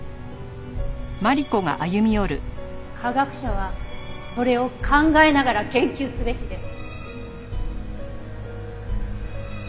科学者はそれを考えながら研究すべきです。